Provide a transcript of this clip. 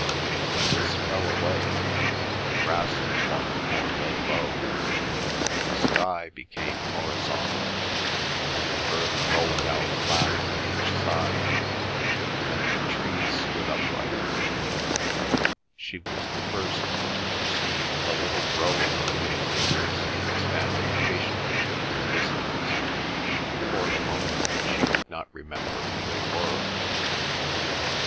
When this fell away, and the grasses once more lay low, and the sky became horizontal, and the earth rolled out flat on each side, and the trees stood upright, she was the first to perceive a little row of human figures standing patiently in the distance. For the moment she could not remember who they were.